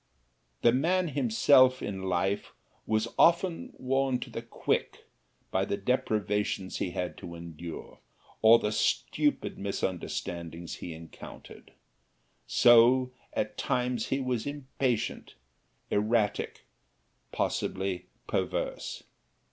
The man himself in life was often worn to the quick by the deprivations he had to endure, or the stupid misunderstandings he encountered, so at times he was impatient, erratic, possibly perverse.